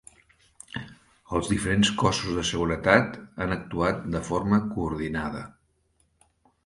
Els diferents cossos de seguretat han actuat de forma coordinada.